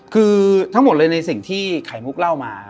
คือทั้งหมดเลยในสิ่งที่ไข่มุกเล่ามา